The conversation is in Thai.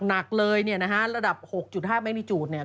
หนักเลยเนี่ยนะฮะระดับ๖๕เมนิจูดเนี่ย